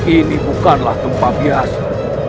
ini bukanlah tempat biasa